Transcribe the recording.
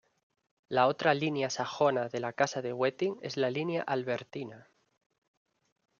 La otra línea sajona de la Casa de Wettin es la Línea albertina.